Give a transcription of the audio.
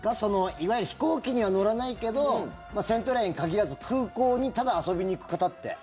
いわゆる飛行機には乗らないけどセントレアに限らず空港にただ遊びに行く方って。